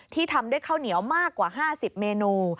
ทำด้วยข้าวเหนียวมากกว่า๕๐เมนู